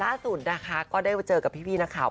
ท่านด้าสุดนะคะก็ได้เจอกับพี่นะครับ